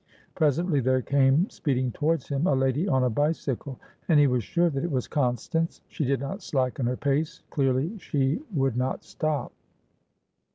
Presently there came speeding towards him a lady on a bicycle, and he was sure that it was Constance. She did not slacken her pace; clearly she would not stop.